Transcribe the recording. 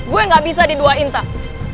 gue gak bisa di dua intak